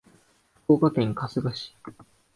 福岡県春日市